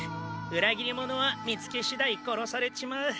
裏切り者は見付けしだい殺されちまう。